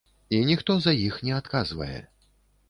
І ніхто за іх не адказвае.